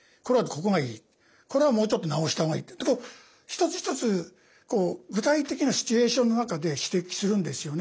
「これはもうちょっと直した方がいい」ってことを一つ一つ具体的なシチュエーションの中で指摘するんですよね。